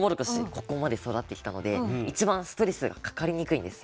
ここまで育ってきたので一番ストレスがかかりにくいんです